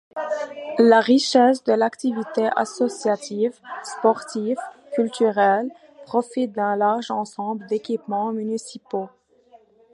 La richesse de l'activité associative, sportive, culturelle, profite d'un large ensemble d'équipements municipaux.